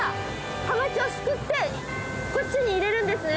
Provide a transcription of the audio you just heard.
はまちをすくってこっちに入れるんですね。